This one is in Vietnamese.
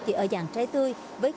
chỉ ở dạng trái tươi